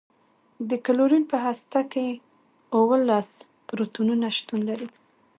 د کلورین په هسته کې اوولس پروتونونه شتون لري.